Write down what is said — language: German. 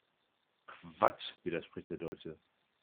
Quatsch!, widerspricht der Deutsche.